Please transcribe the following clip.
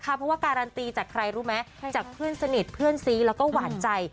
เพราะว่าการันตีจากใครรู้ไหมจากเพื่อนสนิทเพื่อนซีแล้วก็หวานใจ